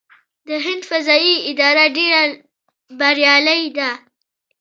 د هند فضايي اداره ډیره بریالۍ ده.